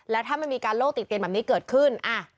แล้วถ้ามันมีการโลกติดเตียนแบบนี้เกิดขึ้น